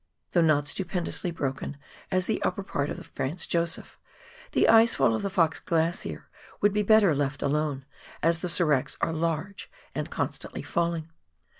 Though not stupen dously broken as the upper part of the Franz Josef, the ice fall of the Fox Glacier would be better left alone, as the seracs are large and constantly falling.